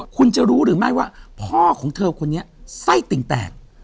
คุณจะรู้หรือไม่ว่าพ่อของเธอคนนี้ไส้ติ่งแตก